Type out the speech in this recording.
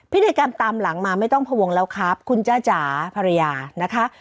พิธีกรรมตามหลังมาไม่ต้องพวงแล้วครับคุณจ้าจ๋าภรรยานะคะ